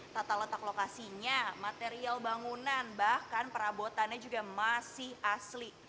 tata letak lokasinya material bangunan bahkan perabotannya juga masih asli